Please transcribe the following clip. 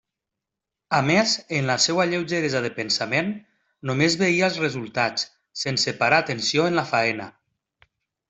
A més, en la seua lleugeresa de pensament, només veia els resultats, sense parar atenció en la faena.